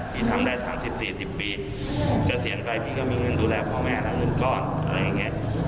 พี่ทำได้๓๐๔๐ปีเกษียณไปพี่ก็มีเงินดูแลพ่อแม่หาเงินก้อนอะไรอย่างนี้